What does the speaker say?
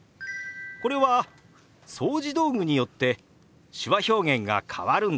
これは掃除道具によって手話表現が変わるんですよ。